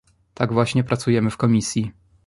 Tak właśnie pracujemy w Komisji